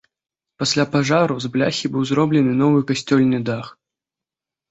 Пасля пажару з бляхі быў зроблены новы касцёльны дах.